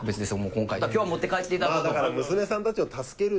今回だけは持って帰っていただこうと。